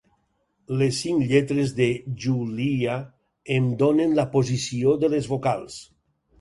Les cinc lletres de "Julia" em donen la posició de les vocals.